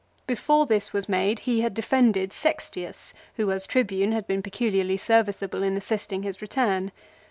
Before this was made he had defended Sextius, who as Tribune had been peculiarly serviceable in assisting his return.